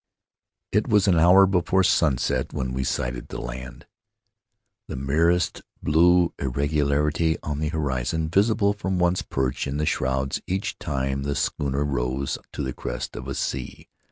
It was an hour before sunset when we sighted the land — the merest blue irregularity on the horizon, visible from one's perch in the shrouds each time the schooner rose to the crest of a sea.